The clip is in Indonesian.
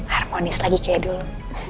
harmonis lagi kayak dulu